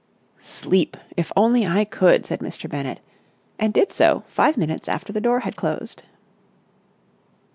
"Sleep! If I only could!" said Mr. Bennett, and did so five minutes after the door had closed.